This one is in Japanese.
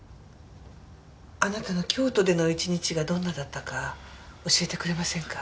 あなたの京都での１日がどんなだったか教えてくれませんか？